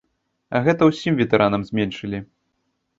А гэта ўсім ветэранам зменшылі.